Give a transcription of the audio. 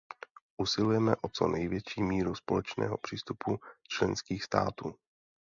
Usilujeme o co největší míru společného přístupu členských států.